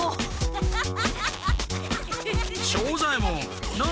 アハハハハ！